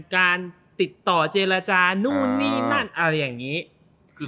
การติดต่อเจรจานู่นนี่นั่นอะไรอย่างนี้คือ